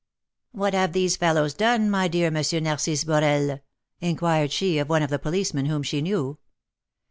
"What have these fellows done, my dear M. Narcisse Borel?" inquired she of one of the policemen whom she knew.